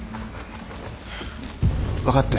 分かったよ。